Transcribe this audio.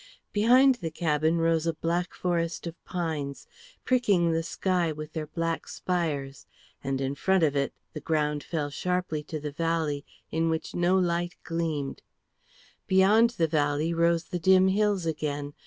Behind the cabin rose a black forest of pines, pricking the sky with their black spires, and in front of it the ground fell sharply to the valley, in which no light gleamed; beyond the valley rose the dim hills again.